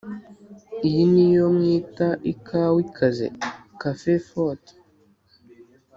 iyi ni yo mwita ikawa ikaze(café fort)?”